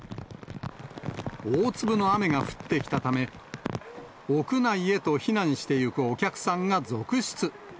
大粒の雨が降ってきたため、屋内へと避難していくお客さんが続出。